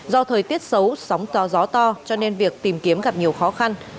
do thời tiết xấu sóng to gió to cho nên việc tìm kiếm gặp nhiều khó khăn